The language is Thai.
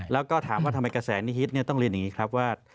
แล้วก็ถามว่าทำไมกระแสนิฮิตต้องเรียนอย่างนี้ครับว่า